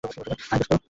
আয়, দোস্ত।